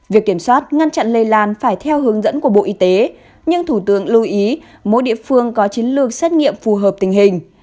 việc kiểm soát ngăn chặn lây lan phải theo hướng dẫn của bộ y tế nhưng thủ tướng lưu ý mỗi địa phương có chiến lược xét nghiệm phù hợp tình hình